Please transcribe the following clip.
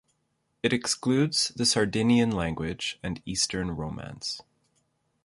It excludes the Sardinian language and Eastern Romance.